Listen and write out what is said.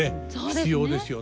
必要ですよね。